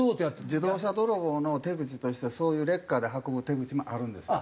自動車泥棒の手口としてそういうレッカーで運ぶ手口もあるんですよ。